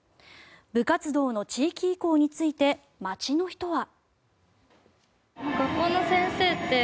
部活動の地域移行について街の人は。